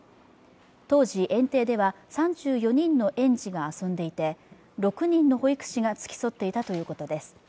当時、園庭では３４人の園児が遊んでいて、６人の保育士が付き添っていたということです。